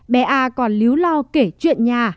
bé a còn líu lo kể chuyện nhà